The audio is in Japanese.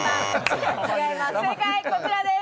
正解こちらです。